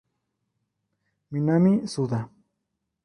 Minami Tsuda